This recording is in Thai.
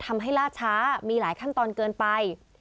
ทำให้ลาดช้ามีหลายขั้นตอนเกินไป